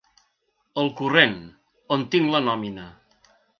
El corrent, on tinc la nomina.